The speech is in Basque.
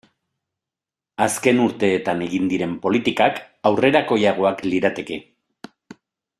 Azken urteetan egin diren politikak aurrerakoiagoak lirateke.